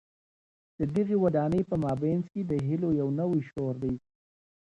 د دغي ودانۍ په مابينځ کي د هیلو یو نوی شور دی.